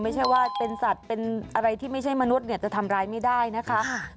ไม่ใช่ว่าเป็นสัตว์เป็นอะไรที่ไม่ใช่มนุษย์จะทำร้ายไม่ได้นะคะ